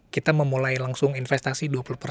kita memulai langsung investasi dua puluh